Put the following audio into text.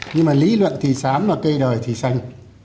nhưng mà lý luận thì xám và cây đời thì xanh